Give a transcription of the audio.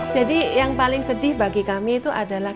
jadi yang paling sedih bagi kami itu adalah